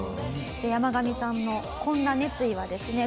ヤマガミさんのこんな熱意はですね